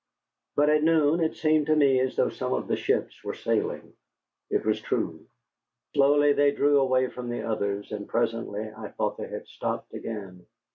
But at noon it seemed to me as though some of the ships were sailing. It was true. Slowly they drew away from the others, and presently I thought they had stopped again.